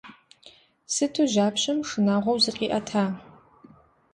Сыту жьапщэм шынагъуэу зыкъиӏэта!